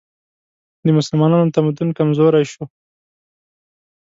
د مسلمانانو تمدن کمزوری شو